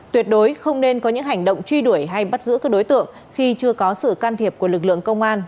tuyệt đối không nên có những hành động truy đuổi hay bắt giữ các đối tượng khi chưa có sự can thiệp của lực lượng công an